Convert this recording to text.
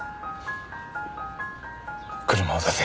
車を出せ。